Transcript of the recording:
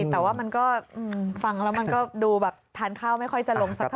แต่ว่ามันก็ฟังแล้วมันก็ดูแบบทานข้าวไม่ค่อยจะลงสักเท่า